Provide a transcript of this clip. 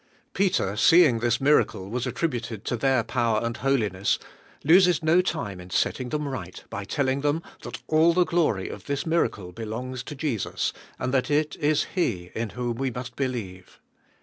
Peter, s<w ing this miracle was attributed to their power and holiness, loses no time in set ting them right by te|ling them that all the glory of this miracle belongs to Jesus, and that it is He in whom we must be lieve.